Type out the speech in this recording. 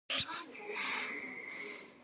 احمد ټوله ورځ پتاسې وېشي.